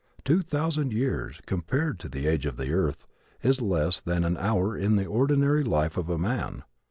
Two thousand years, compared to the age of the earth, is less than an hour in the ordinary life of a man.